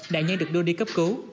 nạn nhân được đưa đi cấp cứu